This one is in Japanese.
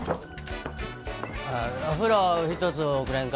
お風呂ひとつおくれんか。